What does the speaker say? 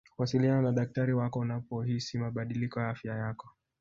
wasiliana na dakitari wako unapohisi mabadiliko ya afya yako